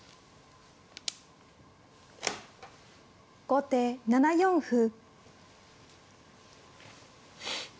後手７四歩。